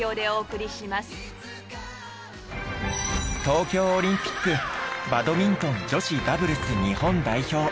東京オリンピックバドミントン女子ダブルス日本代表